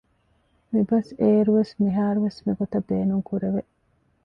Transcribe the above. މިބަސް އޭރު ވެސް މިހާރު ވެސް މިގޮތަށް ބޭނުންކުރެވެ